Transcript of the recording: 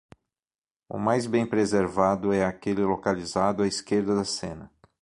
O mais bem preservado é aquele localizado à esquerda da cena.